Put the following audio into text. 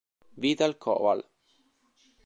Vital' Koval'